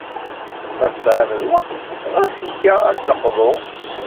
Ma tesεiḍ lweqt, ɣas yya ad d-neqḍu.